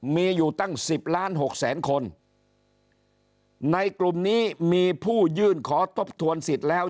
มีอยู่ตั้งสิบล้านหกแสนคนในกลุ่มนี้มีผู้ยื่นขอทบทวนสิทธิ์แล้ว